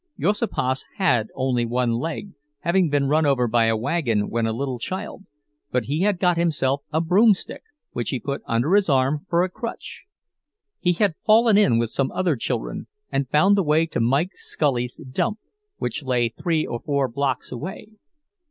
Juozapas had only one leg, having been run over by a wagon when a little child, but he had got himself a broomstick, which he put under his arm for a crutch. He had fallen in with some other children and found the way to Mike Scully's dump, which lay three or four blocks away.